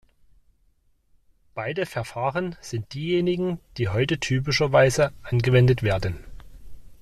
Beide Verfahren sind diejenigen, die heute typischerweise angewendet werden.